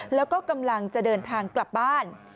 แล้วก็กำลังจะเดินทางกลับบ้าน